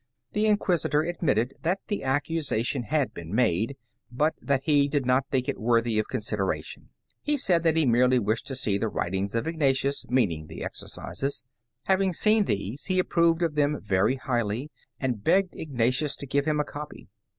The Inquisitor admitted that the accusation had been made, but that he did not think it worthy of consideration. He said that he wished merely to see the writings of Ignatius, meaning the Exercises. Having seen these he approved of them very highly, and begged Ignatius to give him a copy.